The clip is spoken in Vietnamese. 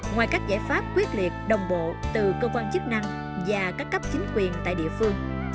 ngoài các giải pháp quyết liệt đồng bộ từ cơ quan chức năng và các cấp chính quyền tại địa phương